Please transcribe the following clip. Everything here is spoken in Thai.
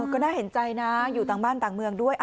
ก็น่าเห็นใจนะอยู่ต่างบ้านต่างเมืองด้วย